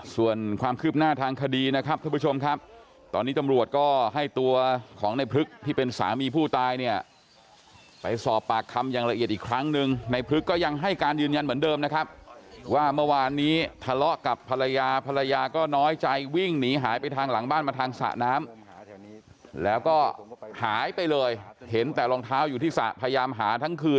ส่วนความคืบหน้าทางคดีนะครับท่านผู้ชมครับตอนนี้ตำรวจก็ให้ตัวของในพลึกที่เป็นสามีผู้ตายเนี่ยไปสอบปากคำอย่างละเอียดอีกครั้งหนึ่งในพลึกก็ยังให้การยืนยันเหมือนเดิมนะครับว่าเมื่อวานนี้ทะเลาะกับภรรยาภรรยาก็น้อยใจวิ่งหนีหายไปทางหลังบ้านมาทางสระน้ำแล้วก็หายไปเลยเห็นแต่รองเท้าอยู่ที่สระพยายามหาทั้งคืน